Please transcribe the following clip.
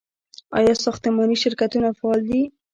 آیا ساختماني شرکتونه فعال دي؟